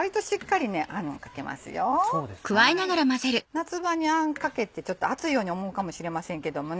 夏場にあんかけってちょっと暑いように思うかもしれませんけどもね。